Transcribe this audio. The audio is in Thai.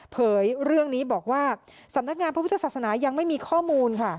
เรื่องนี้บอกว่าสำนักงานพระพุทธศาสนายังไม่มีข้อมูลค่ะ